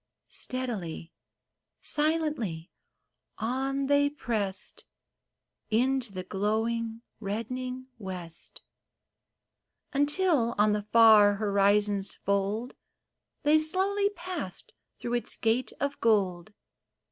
Steadily, silently, on they pressed Into the glowing, reddening west ; Until, on the far horizon's fold, They slowly passed through its gate of gold.